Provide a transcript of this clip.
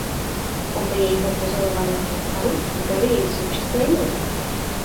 Podle jejího pozorovaného tvaru jí dali její současné jméno.